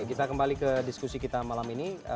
kita kembali ke diskusi kita malam ini